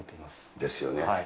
ですよね。